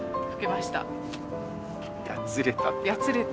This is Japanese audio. やつれた。